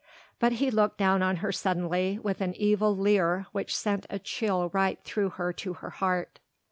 But he looked down on her suddenly, with an evil leer which sent a chill right through her to her heart.